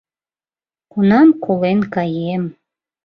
Кунам колен каем?»